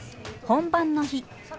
本番の日。